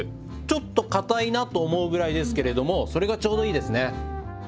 ちょっと硬いなと思うぐらいですけれどもそれがちょうどいいですね。